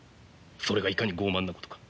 それがいかに傲慢なことか。